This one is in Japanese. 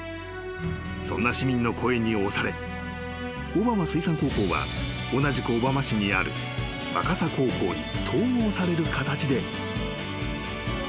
［そんな市民の声に押され小浜水産高校は同じく小浜市にある若狭高校に統合される形で］